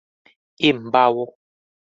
อิ่มเบา